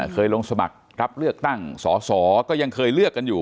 เคยลงสมัครรับเลือกตั้งสอสอก็ยังเคยเลือกกันอยู่